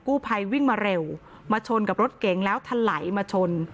กู้ภัยวิ่งมาเร็วมาชนกับรถเก๋งแล้วทะไหลมาชน